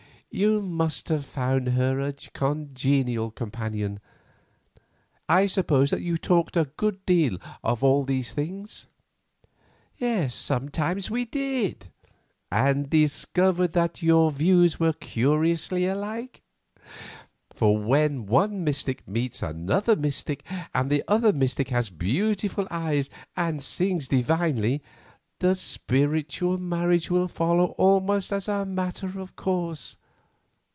You must have found her a congenial companion. I suppose that you talked a good deal of these things?" "Sometimes we did." "And discovered that your views were curiously alike? For when one mystic meets another mystic, and the other mystic has beautiful eyes and sings divinely, the spiritual marriage will follow almost as a matter of course.